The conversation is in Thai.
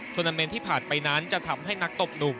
นาเมนต์ที่ผ่านไปนั้นจะทำให้นักตบหนุ่ม